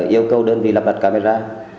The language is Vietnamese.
yêu cầu đơn vị lắp đặt camera